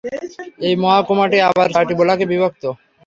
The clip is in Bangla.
এই মহকুমাটি আবার চারটি ব্লকে বিভক্ত।